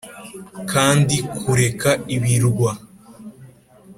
kandi kureka ibirwa.